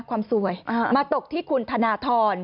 ความสวยมาตกที่คุณธนทร